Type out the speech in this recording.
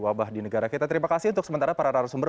wabah di negara kita terima kasih untuk sementara para narasumber